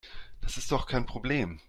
Das ist doch kein Problem.